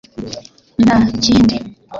nta kindi